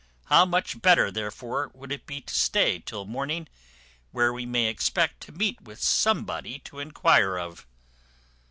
How much better, therefore, would it be to stay till the morning, when we may expect to meet with somebody to enquire of?"